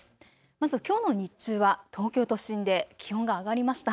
まずきょうの日中は東京都心で気温が上がりました。